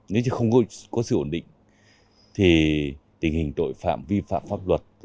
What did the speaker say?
nếu chứ không có sự ổn định thì tình hình tội phạm vi phạm pháp luật